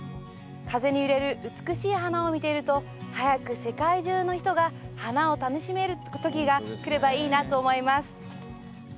風に揺れる美しい花を見ていると早く世界中の人が花を楽しめる時がくればいいなと思います。